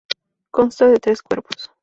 Consta de tres cuerpos.